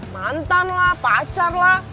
mantan lah pacar lah